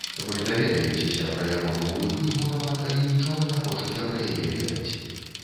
Вы даведаецеся пра яго новую кнігу, нават калі нічога не хочаце пра яе ведаць.